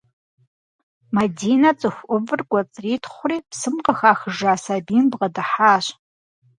Мадинэ цӏыху ӏувыр кӏуэцӏритхъури псым къыхахыжа сабийм бгъэдыхьащ.